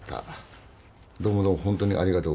どうもどうもホントにありがとうございました。